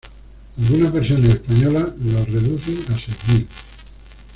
Algunas versiones españolas los reducen a seis mil.